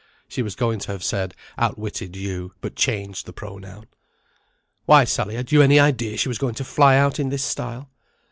(She was going to have said, "outwitted you," but changed the pronoun.) "Why, Sally, had you any idea she was going to fly out in this style?"